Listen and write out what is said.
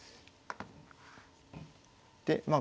でまあ